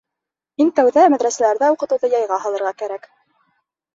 Иң тәүҙә мәҙрәсәләрҙә уҡытыуҙы яйға һалырға кәрәк.